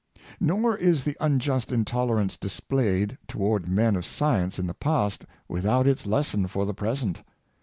Nor is the unjust intolerance displayed towards men of science in the past without its lesson for the present.